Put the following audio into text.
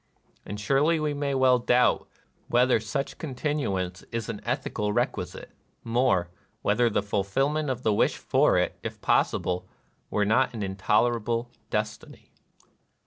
And surely we may well doubt whether such con tinuance is an ethical requisite : more, whether the fulfillment of the wish for it, if possible, were not an intolerable destiny."